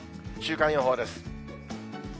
週間予報です。